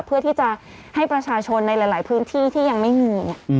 เพื่อที่จะให้ประชาชนในหลายพื้นที่ที่ยังไม่มี